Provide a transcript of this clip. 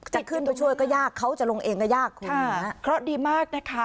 จะขึ้นไปช่วยก็ยากเขาจะลงเองก็ยากคุณเคราะห์ดีมากนะคะ